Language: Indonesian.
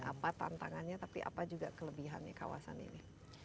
apa tantangannya tapi apa juga kelebihannya kawasan ini